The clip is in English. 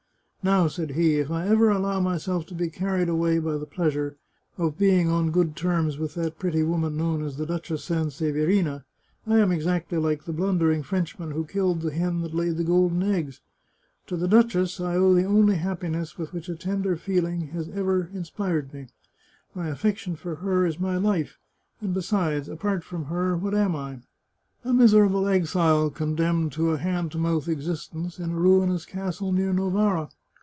" Now," said he, " if I ever allow myself to be carried away by the pleasure, no doubt a very keen one, of being on good terms with that pretty woman known as the Duchess Sanseverina, I am exactly like the blundering Frenchman who killed the hen that laid the golden eggs. To the duchess I owe the only happiness with which a tender feeling has ever inspired me. My affection for her is my life ; and besides, apart from her what am I? A miserable exile condemned to a hand to mouth existence, in a ruinous castle near Novara.